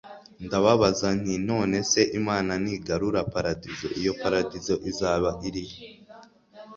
ndababaza nti none se imana nigarura paradizo iyo paradizo izaba iri he